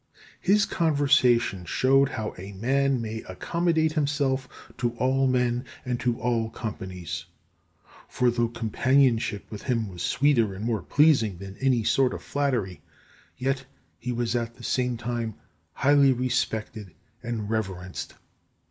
His conversation showed how a man may accommodate himself to all men and to all companies; for though companionship with him was sweeter and more pleasing than any sort of flattery, yet he was at the same time highly respected and reverenced.